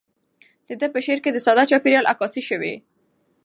د ده په شعر کې د ساده چاپیریال عکاسي شوې.